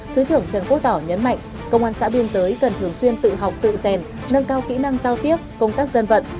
thứ trưởng trần quốc tỏ nhấn mạnh công an xã biên giới cần thường xuyên tự học tự rèn nâng cao kỹ năng giao tiếp công tác dân vận